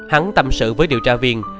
hắn tâm sự với điều tra viên